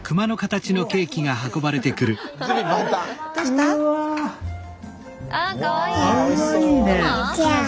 かわいいね！